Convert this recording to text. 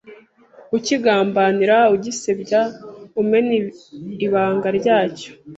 ukigambanira, ugisebya, umena ibanga ryacyo